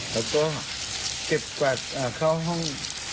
แล้วก็เก็บกวาดเข้าห้อง